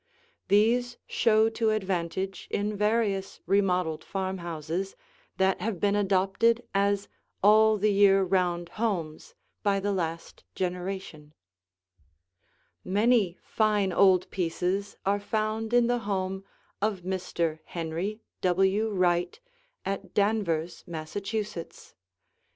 These show to advantage in various remodeled farmhouses that have been adopted as all the year round homes by the last generation. [Illustration: THE HENRY W. WRIGHT HOUSE] Many fine old pieces are found in the home of Mr. Henry W. Wright at Danvers, Massachusetts.